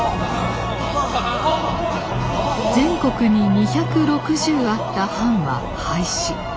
全国に２６０あった藩は廃止。